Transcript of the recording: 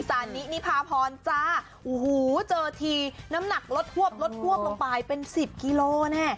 สานิพาพรจ้าโอ้โหเจอทีน้ำหนักลดหวบลดฮวบลงไปเป็นสิบกิโลแน่